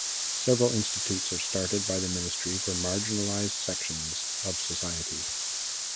Several institutes are started by the ministry for marginalized sections of society.